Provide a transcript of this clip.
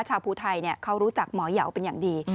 ชาวภูไทยเนี่ยเขารู้จักหมอเหยาเป็นอย่างดี